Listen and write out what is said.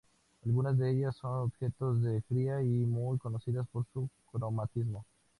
Algunas de ellas son objeto de cría y muy conocidas por su cromatismo.